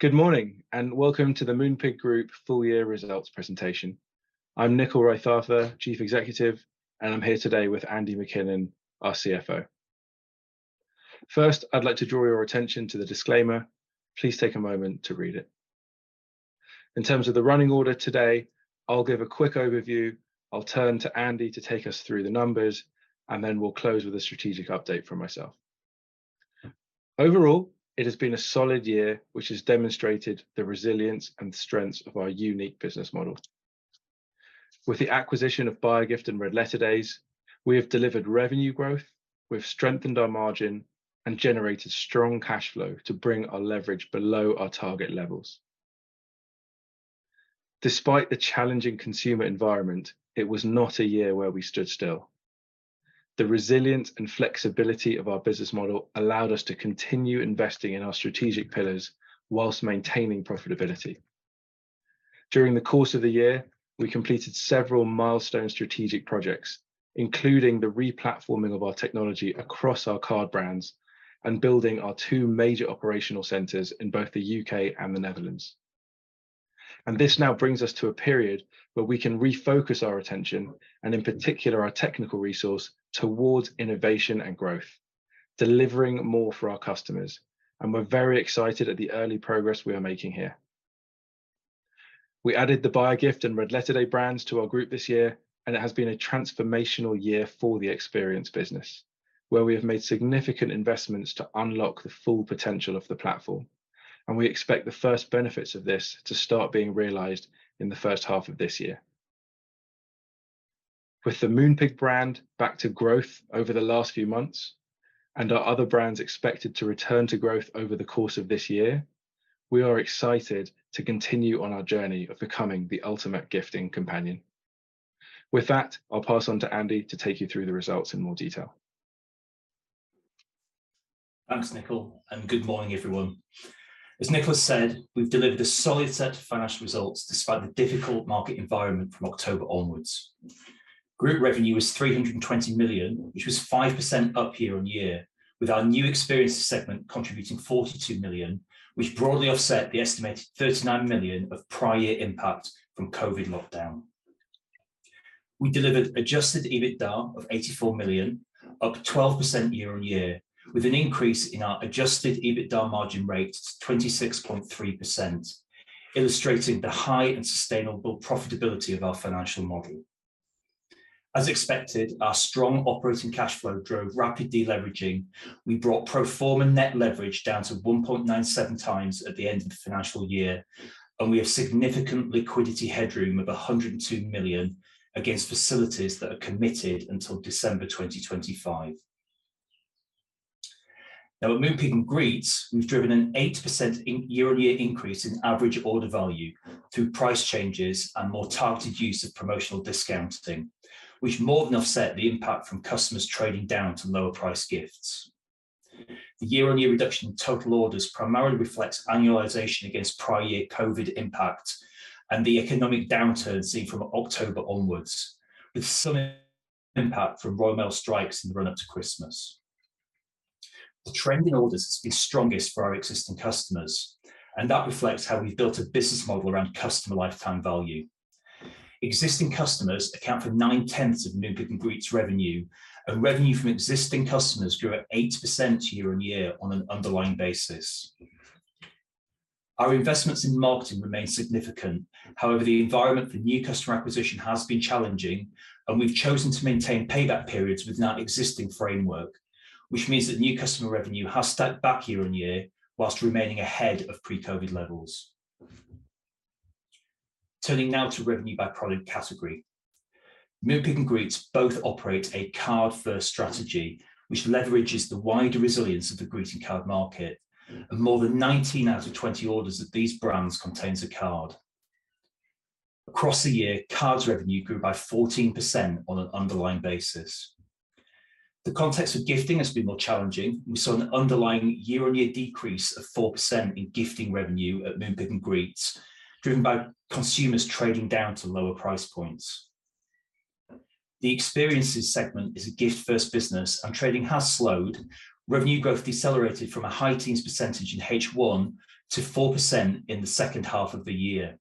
Good morning, welcome to the Moonpig Group full year results presentation. I'm Nickyl Raithatha, Chief Executive, and I'm here today with Andy Mckinlay, our CFO. First, I'd like to draw your attention to the disclaimer. Please take a moment to read it. In terms of the running order today, I'll give a quick overview, I'll turn to Andy to take us through the numbers, we'll close with a strategic update from myself. Overall, it has been a solid year, which has demonstrated the resilience and strengths of our unique business model. With the acquisition of Buyagift and Red Letter Days, we have delivered revenue growth, we've strengthened our margin, and generated strong cash flow to bring our leverage below our target levels. Despite the challenging consumer environment, it was not a year where we stood still. The resilience and flexibility of our business model allowed us to continue investing in our strategic pillars while maintaining profitability. During the course of the year, we completed several milestone strategic projects, including the re-platforming of our technology across our card brands and building our two major operational centers in both the UK and the Netherlands. This now brings us to a period where we can refocus our attention, and in particular, our technical resource towards innovation and growth, delivering more for our customers, and we're very excited at the early progress we are making here. We added the Buyagift and Red Letter Days brands to our group this year, and it has been a transformational year for the experience business, where we have made significant investments to unlock the full potential of the platform, and we expect the first benefits of this to start being realized in the first half of this year. With the Moonpig brand back to growth over the last few months, and our other brands expected to return to growth over the course of this year, we are excited to continue on our journey of becoming the ultimate gifting companion. With that, I'll pass on to Andy to take you through the results in more detail. Thanks, Nickyl. Good morning, everyone. As Nickyl said, we've delivered a solid set of financial results despite the difficult market environment from October onwards. Group revenue was 320 million, which was 5% up year-on-year, with our new experience segment contributing 42 million, which broadly offset the estimated 39 million of prior year impact from COVID lockdown. We delivered Adjusted EBITDA of 84 million, up 12% year-on-year, with an increase in our Adjusted EBITDA margin rate to 26.3%, illustrating the high and sustainable profitability of our financial model. As expected, our strong operating cash flow drove rapid deleveraging. We brought pro forma net leverage down to 1.97 times at the end of the financial year, and we have significant liquidity headroom of 102 million against facilities that are committed until December 2025. At Moonpig and Greetz, we've driven an 8% year-on-year increase in average order value through price changes and more targeted use of promotional discounting, which more than offset the impact from customers trading down to lower price gifts. The year-on-year reduction in total orders primarily reflects annualization against prior year COVID impact and the economic downturn seen from October onwards, with some impact from Royal Mail strikes in the run-up to Christmas. The trend in orders is strongest for our existing customers, that reflects how we've built a business model around customer lifetime value. Existing customers account for nine-tenths of Moonpig and Greetz revenue from existing customers grew at 8% year-on-year on an underlying basis. Our investments in marketing remain significant. However, the environment for new customer acquisition has been challenging, and we've chosen to maintain payback periods within our existing framework, which means that new customer revenue has stepped back year on year, whilst remaining ahead of pre-COVID levels. Turning now to revenue by product category. Moonpig and Greetz both operate a card-first strategy, which leverages the wider resilience of the greeting card market. More than 19 out of 20 orders of these brands contains a card. Across the year, cards revenue grew by 14% on an underlying basis. The context of gifting has been more challenging. We saw an underlying year-on-year decrease of 4% in gifting revenue at Moonpig and Greetz, driven by consumers trading down to lower price points. The experiences segment is a gift-first business, and trading has slowed. Revenue growth decelerated from a high teens percentage in H1 to 4% in the second half of the year.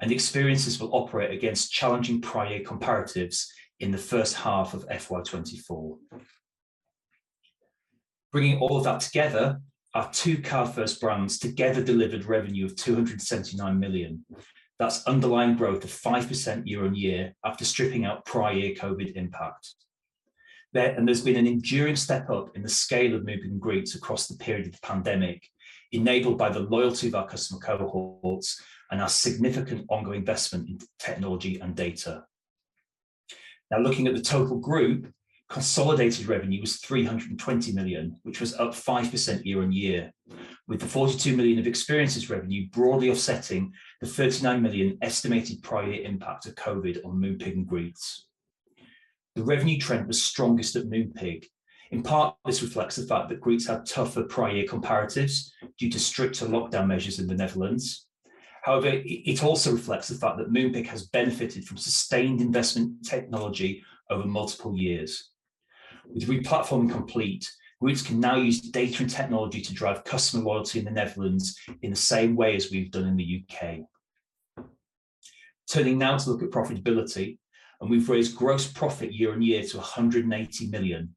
Experiences will operate against challenging prior comparatives in the first half of FY24. Bringing all of that together, our two card-first brands together delivered revenue of 279 million. That's underlying growth of 5% year-on-year, after stripping out prior year COVID impact. There's been an enduring step up in the scale of Moonpig and Greetz across the period of the pandemic, enabled by the loyalty of our customer cohorts and our significant ongoing investment in technology and data. Looking at the total group, consolidated revenue was 320 million, which was up 5% year-over-year, with the 42 million of experiences revenue broadly offsetting the 39 million estimated prior year impact of COVID on Moonpig and Greetz. The revenue trend was strongest at Moonpig. In part, this reflects the fact that Greetz had tougher prior year comparatives due to stricter lockdown measures in the Netherlands. It also reflects the fact that Moonpig has benefited from sustained investment technology over multiple years. With the re-platforming complete, we can now use data and technology to drive customer loyalty in the Netherlands in the same way as we've done in the UK. Turning now to look at profitability, we've raised gross profit year-on-year to 180 million,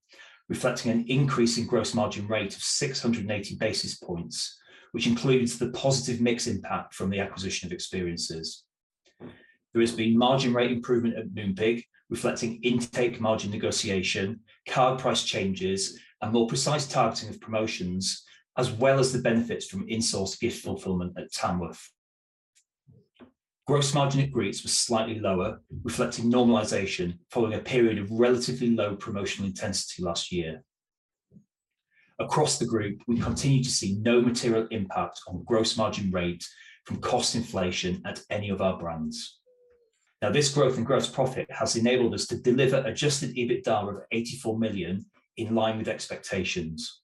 reflecting an increase in gross margin rate of 680 basis points, which includes the positive mix impact from the acquisition of experiences. There has been margin rate improvement at Moonpig, reflecting intake margin negotiation, card price changes, and more precise targeting of promotions, as well as the benefits from in-source gift fulfillment at Tamworth. Gross margin at Greetz was slightly lower, reflecting normalization following a period of relatively low promotional intensity last year. Across the group, we continue to see no material impact on gross margin rate from cost inflation at any of our brands. This growth in gross profit has enabled us to deliver Adjusted EBITDA of 84 million, in line with expectations.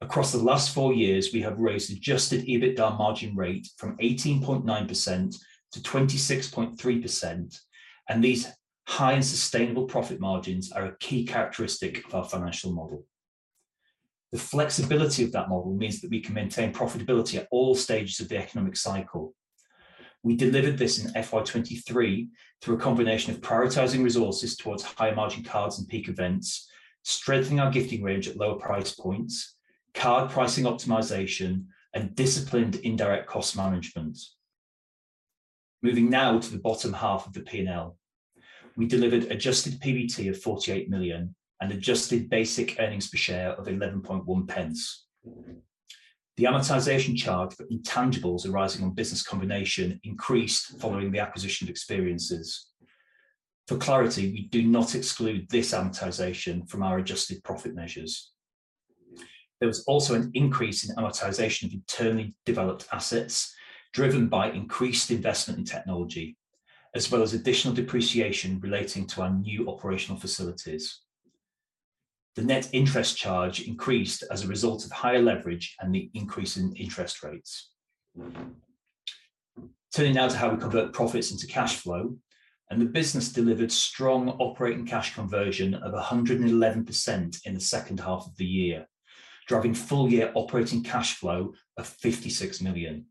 Across the last 4 years, we have raised Adjusted EBITDA margin rate from 18.9% to 26.3%, and these high and sustainable profit margins are a key characteristic of our financial model. The flexibility of that model means that we can maintain profitability at all stages of the economic cycle. We delivered this in FY23 through a combination of prioritizing resources towards higher margin cards and peak events, strengthening our gifting range at lower price points, card pricing optimization, and disciplined indirect cost management. Moving now to the bottom half of the P&L. We delivered Adjusted PBT of 48 million and Adjusted Basic EPS of 0.111. The amortization charge for intangibles arising on business combination increased following the acquisition of experiences. For clarity, we do not exclude this amortization from our adjusted profit measures. There was also an increase in amortization of internally developed assets, driven by increased investment in technology, as well as additional depreciation relating to our new operational facilities. The net interest charge increased as a result of higher leverage and the increase in interest rates. Turning now to how we convert profits into cash flow, the business delivered strong operating cash conversion of 111% in the second half of the year, driving full year operating cash flow of 56 million.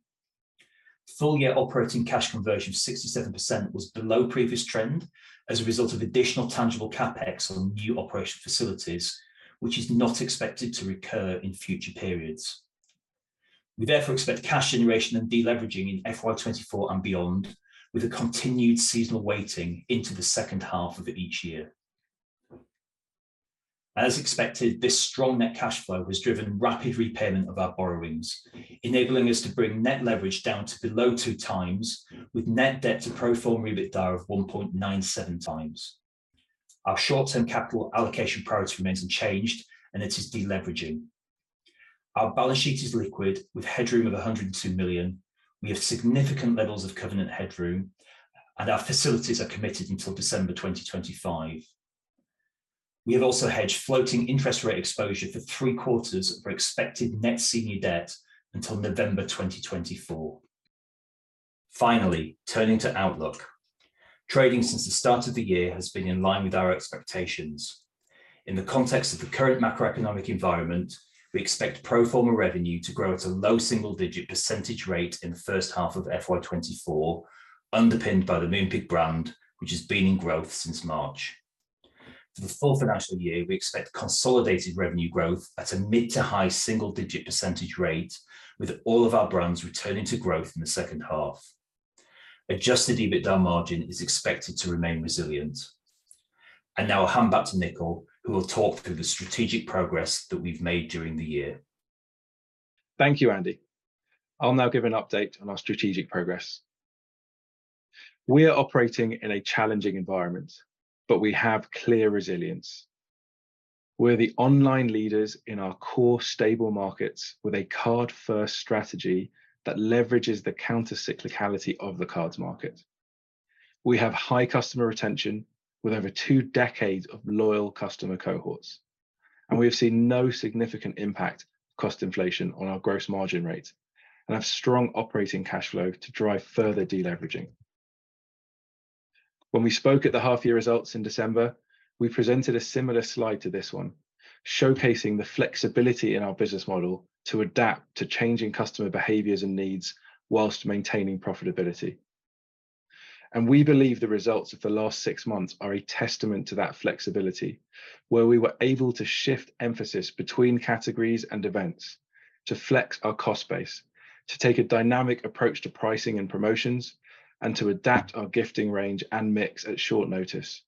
Full year operating cash conversion of 67% was below previous trend as a result of additional tangible CapEx on new operation facilities, which is not expected to recur in future periods. We therefore expect cash generation and de-leveraging in FY24 and beyond, with a continued seasonal weighting into the second half of each year. As expected, this strong net cash flow has driven rapid repayment of our borrowings, enabling us to bring net leverage down to below 2 times, with net debt to pro forma EBITDA of 1.97 times. Our short-term capital allocation priority remains unchanged, and it is de-leveraging. Our balance sheet is liquid, with headroom of 102 million. We have significant levels of covenant headroom, and our facilities are committed until December 2025. We have also hedged floating interest rate exposure for three quarters of our expected net senior debt until November 2024. Finally, turning to outlook. Trading since the start of the year has been in line with our expectations. In the context of the current macroeconomic environment, we expect pro forma revenue to grow at a low single-digit % rate in the first half of FY24, underpinned by the Moonpig brand, which has been in growth since March. For the full financial year, we expect consolidated revenue growth at a mid-to-high single-digit % rate, with all of our brands returning to growth in the second half. Adjusted EBITDA margin is expected to remain resilient. Now I'll hand back to Nickyl, who will talk through the strategic progress that we've made during the year. Thank you, Andy. I'll now give an update on our strategic progress. We are operating in a challenging environment, but we have clear resilience. We're the online leaders in our core stable markets, with a card-first strategy that leverages the countercyclicality of the cards market. We have high customer retention, with over two decades of loyal customer cohorts, and we have seen no significant impact cost inflation on our gross margin rate, and have strong operating cash flow to drive further de-leveraging. When we spoke at the half year results in December, we presented a similar slide to this one, showcasing the flexibility in our business model to adapt to changing customer behaviors and needs whilst maintaining profitability. We believe the results of the last six months are a testament to that flexibility, where we were able to shift emphasis between categories and events, to flex our cost base, to take a dynamic approach to pricing and promotions, and to adapt our gifting range and mix at short notice.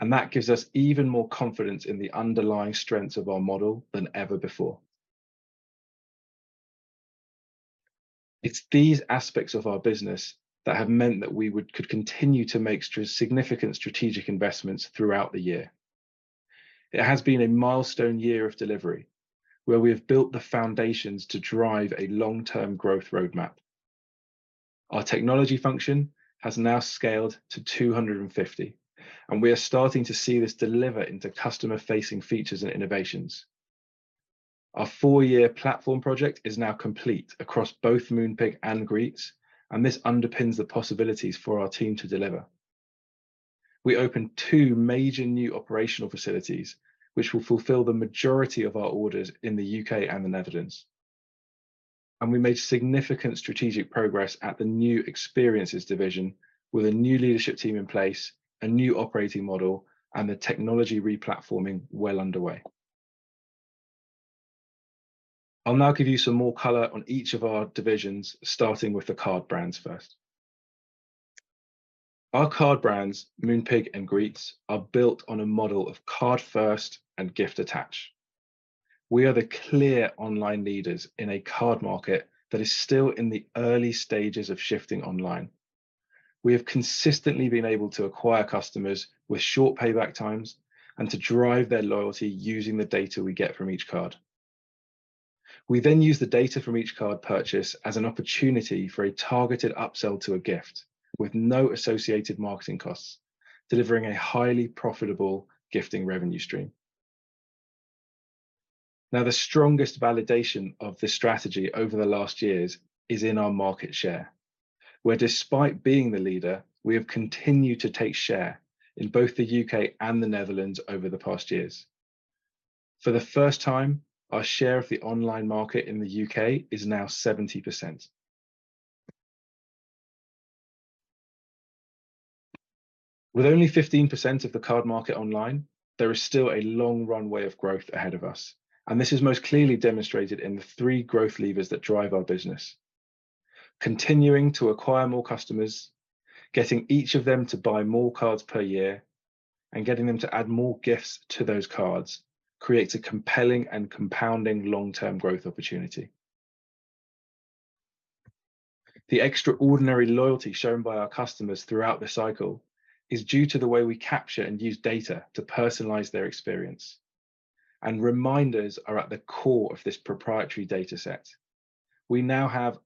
That gives us even more confidence in the underlying strengths of our model than ever before. It's these aspects of our business that have meant that we could continue to make significant strategic investments throughout the year. It has been a milestone year of delivery, where we have built the foundations to drive a long-term growth roadmap. Our technology function has now scaled to 250, and we are starting to see this deliver into customer-facing features and innovations. Our four-year platform project is now complete across both Moonpig and Greetz. This underpins the possibilities for our team to deliver. We opened two major new operational facilities, which will fulfill the majority of our orders in the U.K. and the Netherlands. We made significant strategic progress at the new experiences division, with a new leadership team in place, a new operating model, and the technology re-platforming well underway. I'll now give you some more color on each of our divisions, starting with the card brands first. Our card brands, Moonpig and Greetz, are built on a model of card-first and gift attach. We are the clear online leaders in a card market that is still in the early stages of shifting online. We have consistently been able to acquire customers with short payback times and to drive their loyalty using the data we get from each card. We then use the data from each card purchase as an opportunity for a targeted upsell to a gift, with no associated marketing costs, delivering a highly profitable gifting revenue stream. The strongest validation of this strategy over the last years is in our market share, where despite being the leader, we have continued to take share in both the U.K. and the Netherlands over the past years. For the first time, our share of the online market in the U.K. is now 70%. With only 15% of the card market online, there is still a long runway of growth ahead of us, and this is most clearly demonstrated in the three growth levers that drive our business. Continuing to acquire more customers, getting each of them to buy more cards per year, and getting them to add more gifts to those cards, creates a compelling and compounding long-term growth opportunity. The extraordinary loyalty shown by our customers throughout this cycle is due to the way we capture and use data to personalize their experience, and reminders are at the core of this proprietary data set. We now have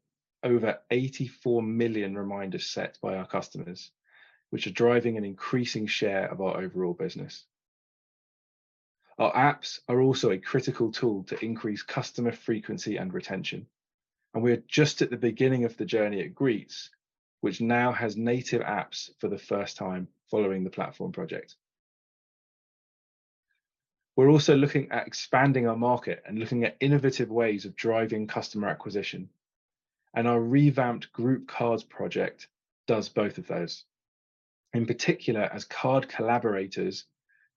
over 84 million reminders set by our customers, which are driving an increasing share of our overall business. Our apps are also a critical tool to increase customer frequency and retention, and we are just at the beginning of the journey at Greetz, which now has native apps for the first time following the platform project. We're also looking at expanding our market and looking at innovative ways of driving customer acquisition, and our revamped group cards project does both of those. In particular, as card collaborators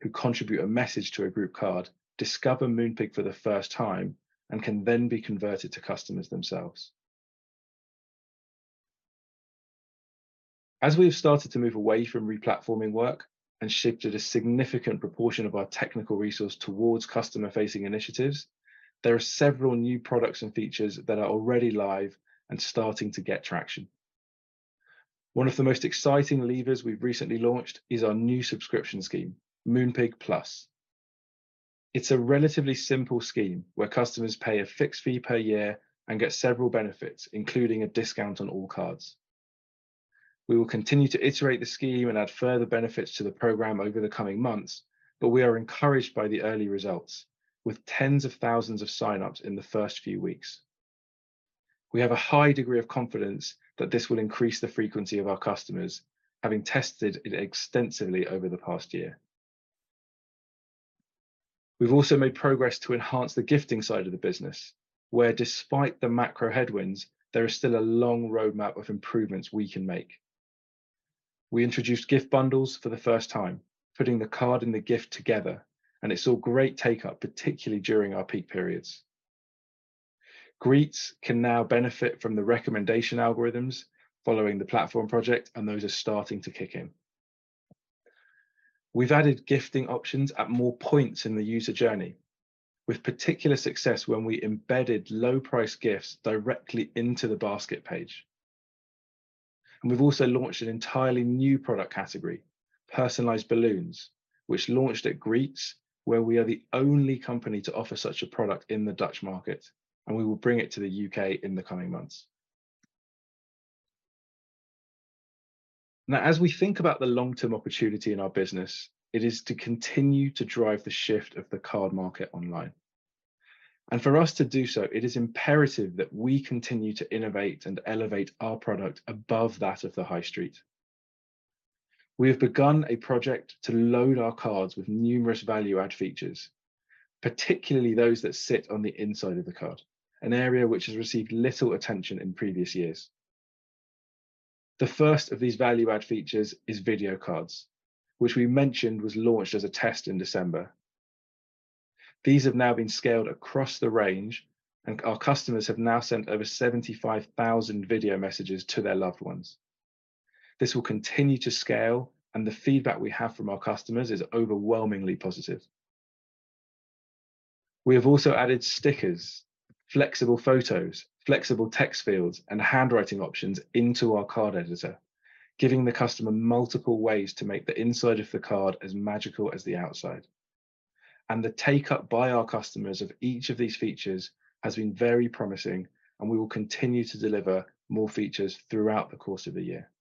who contribute a message to a group card discover Moonpig for the first time and can then be converted to customers themselves. As we have started to move away from re-platforming work and shifted a significant proportion of our technical resource towards customer-facing initiatives, there are several new products and features that are already live and starting to get traction. One of the most exciting levers we've recently launched is our new subscription scheme, Moonpig Plus. It's a relatively simple scheme where customers pay a fixed fee per year and get several benefits, including a discount on all cards. We will continue to iterate the scheme and add further benefits to the program over the coming months, but we are encouraged by the early results, with tens of thousands of sign-ups in the first few weeks. We have a high degree of confidence that this will increase the frequency of our customers, having tested it extensively over the past year. We've also made progress to enhance the gifting side of the business, where despite the macro headwinds, there is still a long roadmap of improvements we can make. We introduced gift bundles for the first time, putting the card and the gift together, and it saw great take-up, particularly during our peak periods. Greetz can now benefit from the recommendation algorithms following the platform project, and those are starting to kick in. We've added gifting options at more points in the user journey, with particular success when we embedded low price gifts directly into the basket page. We've also launched an entirely new product category, personalized balloons, which launched at Greetz, where we are the only company to offer such a product in the Dutch market, and we will bring it to the UK in the coming months. As we think about the long-term opportunity in our business, it is to continue to drive the shift of the card market online. For us to do so, it is imperative that we continue to innovate and elevate our product above that of the high street. We have begun a project to load our cards with numerous value-add features, particularly those that sit on the inside of the card, an area which has received little attention in previous years. The first of these value-add features is video cards, which we mentioned was launched as a test in December. These have now been scaled across the range. Our customers have now sent over 75,000 video messages to their loved ones. This will continue to scale. The feedback we have from our customers is overwhelmingly positive. We have also added stickers, flexible photos, flexible text fields, and handwriting options into our card editor, giving the customer multiple ways to make the inside of the card as magical as the outside. The take-up by our customers of each of these features has been very promising. We will continue to deliver more features throughout the course of the year.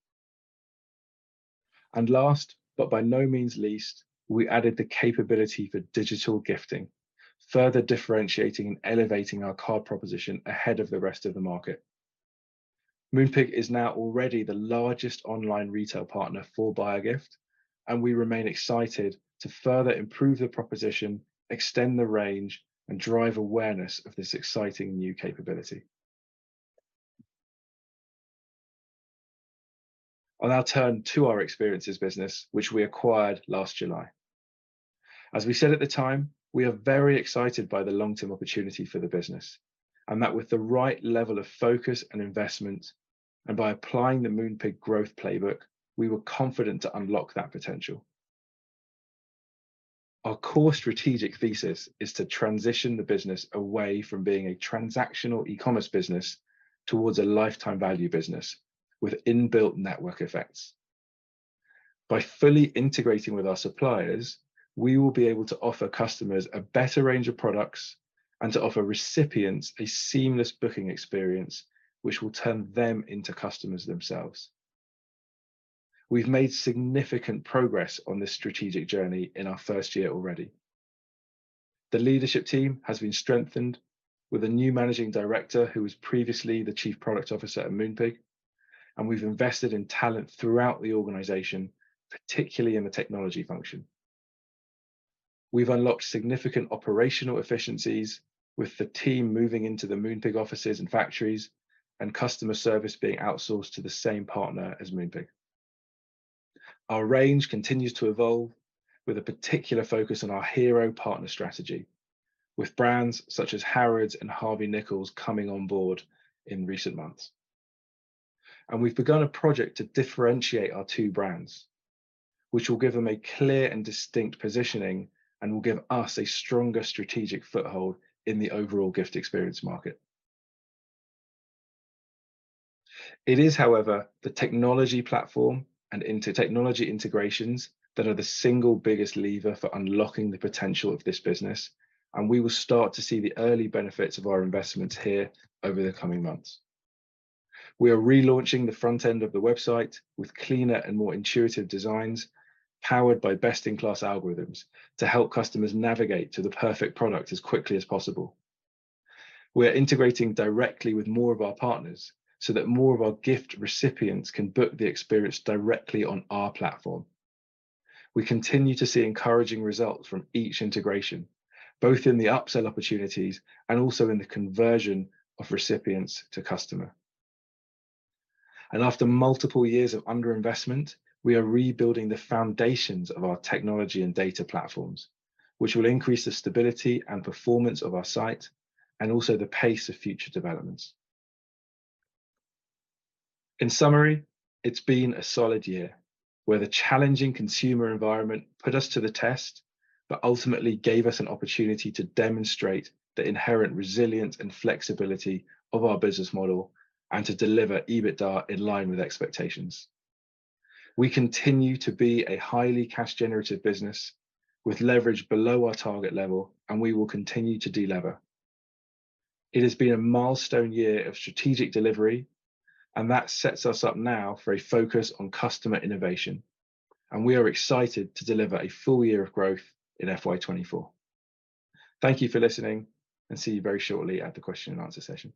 Last, but by no means least, we added the capability for digital gifting, further differentiating and elevating our card proposition ahead of the rest of the market. Moonpig is now already the largest online retail partner for Buyagift, and we remain excited to further improve the proposition, extend the range, and drive awareness of this exciting new capability. I'll now turn to our experiences business, which we acquired last July. As we said at the time, we are very excited by the long-term opportunity for the business, and that with the right level of focus and investment, and by applying the Moonpig growth playbook, we were confident to unlock that potential. Our core strategic thesis is to transition the business away from being a transactional e-commerce business towards a lifetime value business with inbuilt network effects. By fully integrating with our suppliers, we will be able to offer customers a better range of products and to offer recipients a seamless booking experience, which will turn them into customers themselves. We've made significant progress on this strategic journey in our first year already. The leadership team has been strengthened with a new managing director, who was previously the chief product officer at Moonpig, and we've invested in talent throughout the organization, particularly in the technology function. We've unlocked significant operational efficiencies with the team moving into the Moonpig offices and factories, and customer service being outsourced to the same partner as Moonpig. Our range continues to evolve with a particular focus on our hero partner strategy, with brands such as Harrods and Harvey Nichols coming on board in recent months. We've begun a project to differentiate our two brands, which will give them a clear and distinct positioning and will give us a stronger strategic foothold in the overall gift experience market. It is, however, the technology platform and inter-technology integrations that are the single biggest lever for unlocking the potential of this business, and we will start to see the early benefits of our investments here over the coming months. We are relaunching the front end of the website with cleaner and more intuitive designs, powered by best-in-class algorithms, to help customers navigate to the perfect product as quickly as possible. We are integrating directly with more of our partners so that more of our gift recipients can book the experience directly on our platform. We continue to see encouraging results from each integration, both in the upsell opportunities and also in the conversion of recipients to customer. After multiple years of underinvestment, we are rebuilding the foundations of our technology and data platforms, which will increase the stability and performance of our site and also the pace of future developments. In summary, it's been a solid year, where the challenging consumer environment put us to the test, but ultimately gave us an opportunity to demonstrate the inherent resilience and flexibility of our business model and to deliver EBITDA in line with expectations. We continue to be a highly cash-generative business with leverage below our target level, and we will continue to delever. It has been a milestone year of strategic delivery, and that sets us up now for a focus on customer innovation, and we are excited to deliver a full year of growth in FY24. Thank you for listening, and see you very shortly at the question and answer session.